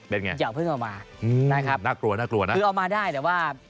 เดี๋ยวพึ่งออกมานะครับคือออกมาได้แต่ว่า